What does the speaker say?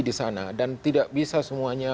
di sana dan tidak bisa semuanya